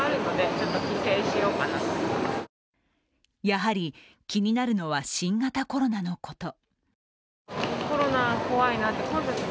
やはり気になるのは、新型コロナのこと。